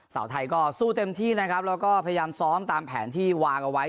สาวไทยก็สู้เต็มที่นะครับแล้วก็พยายามซ้อมตามแผนที่วางเอาไว้